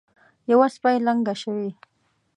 یوه سپۍ لنګه شوې.